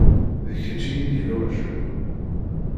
D kečč i yi-d-iluɛjen.